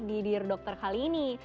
di dear dokter kali ini